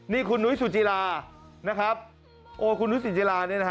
นี่คุณนุ้ยสุจิลานะครับโอ้คุณนุ้ยสินจิลาเนี่ยนะฮะ